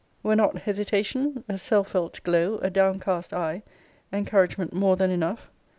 Were not hesitation, a self felt glow, a downcast eye, encouragement more than enough?